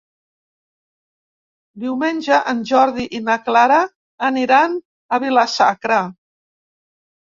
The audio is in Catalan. Diumenge en Jordi i na Clara aniran a Vila-sacra.